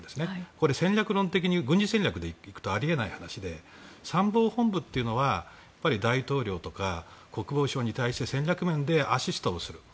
これ、軍事戦略でいくとありえない話で参謀本部というのは大統領とか国防相に対して戦略面でアシストをする。